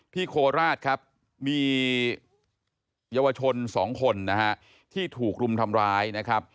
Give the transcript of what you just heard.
โคราชครับมีเยาวชน๒คนนะฮะที่ถูกรุมทำร้ายนะครับ